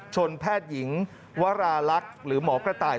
แพทย์หญิงวราลักษณ์หรือหมอกระต่าย